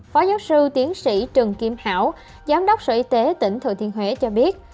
phó giáo sư tiến sĩ trần kim hảo giám đốc sở y tế tỉnh thừa thiên huế cho biết